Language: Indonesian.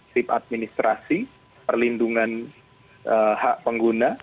sip administrasi perlindungan hak pengguna